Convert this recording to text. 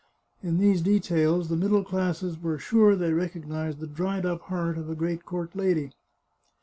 In these details the middle classes were sure they recognised the dried up heart of a great court lady.